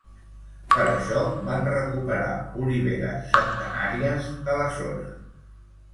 Per això, van recuperar oliveres centenàries de la zona.